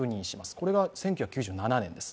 これが１９９７年です。